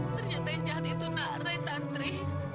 ternyata jahat itu narai tantri